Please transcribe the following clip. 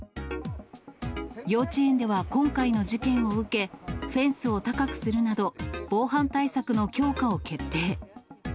幼稚園では今回の事件を受け、フェンスを高くするなど、防犯対策の強化を決定。